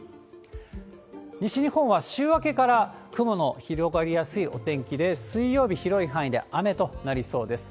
西日本は週明けから雲の広がりやすいお天気で、水曜日、広い範囲で雨となりそうです。